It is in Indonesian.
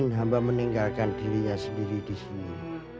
hamba meninggalkan dirinya sendiri di sini